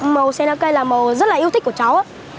màu senake là màu rất là yêu thích của cháu á